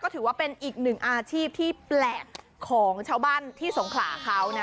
ถือว่าเป็นอีกหนึ่งอาชีพที่แปลกของชาวบ้านที่สงขลาเขานะ